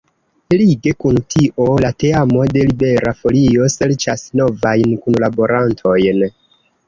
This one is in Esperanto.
Lige kun tio, la teamo de Libera Folio serĉas novajn kunlaborantojn.